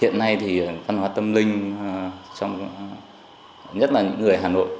hiện nay thì văn hóa tâm linh trong nhất là những người hà nội